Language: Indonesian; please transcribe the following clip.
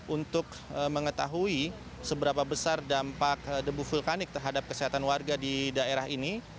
untuk mengetahui seberapa besar dampak debu vulkanik terhadap kesehatan warga di daerah ini